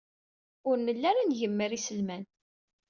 Ur nelli ara ngemmer iselman.